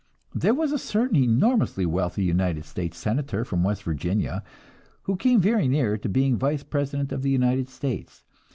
There was a certain enormously wealthy United States Senator from West Virginia, who came very near being Vice President of the United States.